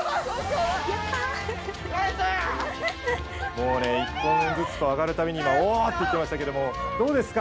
もうね１本ずつと上がるたびに「お！」って聞こえましたけどもどうですか？